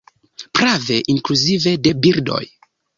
Prave, inkluzive de birdoj.